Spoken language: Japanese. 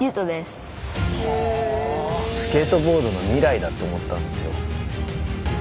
スケートボードの未来だって思ったんですよ。